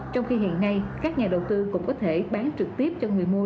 trong khi hiện nay các nhà đầu tư cũng có thể bán trực tiếp cho người mua